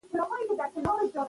زموږ پیغام په پښتو نه ورکېږي.